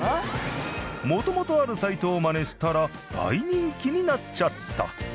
元々あるサイトをマネしたら大人気になっちゃった。